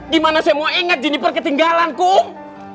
di mana saya mau inget jeniper ketinggalan kum